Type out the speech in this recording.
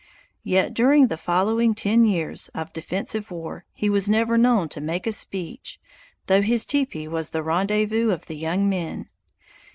Yet during the following ten years of defensive war he was never known to make a speech, though his teepee was the rendezvous of the young men.